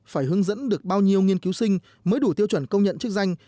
phải hướng dẫn được bao nhiêu nghiên cứu sinh mới đủ tiêu chuẩn công nhận chức danh